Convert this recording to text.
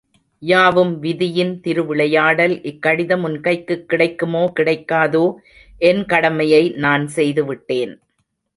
யாவும் விதியின் திரு விளையாடல், இக்கடிதம் உன் கைக்குக் கிடைக்குமோ கிடைக்காதோ என் கடமையை நான் செய்துவிட்டேன்.